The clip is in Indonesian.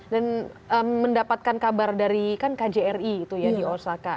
dan mendapatkan kabar dari kan kjri itu ya di osaka